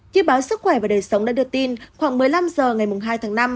như báo sức khỏe và đời sống đã đưa tin khoảng một mươi năm h ngày hai tháng năm